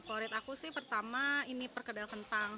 favorit aku sih pertama ini perkedel kentang